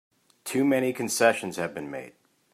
Too many concessions have been made!